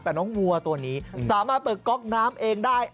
แต่น้องวัวตัวนี้สามารถเปิดก๊อกน้ำเองได้